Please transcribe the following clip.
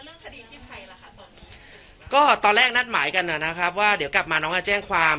เรื่องคดีที่ใครล่ะคะตอนนี้ก็ตอนแรกนัดหมายกันนะครับว่าเดี๋ยวกลับมาน้องจะแจ้งความ